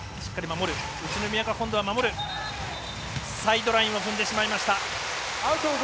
サイドラインを踏んでしまいました。